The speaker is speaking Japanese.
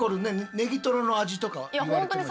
ネギトロの味とか言われてましたけど。